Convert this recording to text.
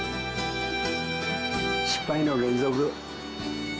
失敗の連続。